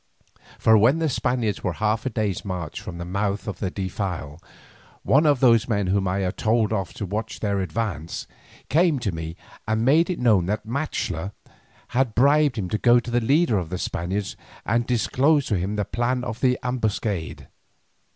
For when the Spaniards were half a day's march from the mouth of the defile, one of those men whom I had told off to watch their advance, came to me and made it known that Maxtla had bribed him to go to the leader of the Spaniards and disclose to him the plan of the ambuscade.